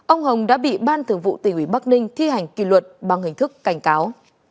ông hồng đã bị ban thường vụ tỉnh ủy bắc ninh thi hành kỳ luật bằng hình thức cảnh cáo